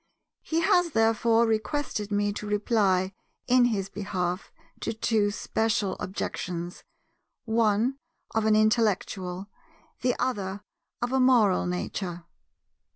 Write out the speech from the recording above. He has, therefore, requested me to reply in his behalf to two special objections, one of an intellectual, the other of a moral nature.